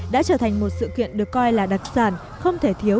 đã trở thành một sự kiện được coi là đặc sản không thể thiếu